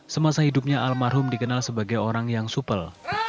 semasa hidupnya alam marhum dikenal sebagai orang yang supel